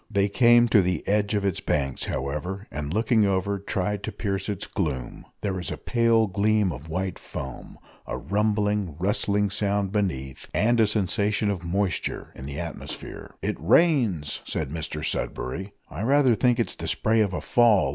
They came to the edge of its banks, however, and, looking over, tried to pierce its gloom. There was a pale gleam of white foam a rumbling, rustling sound beneath, and a sensation of moisture in the atmosphere. "It rains!" said Mr Sudberry. "I rather think it's the spray of a fall!"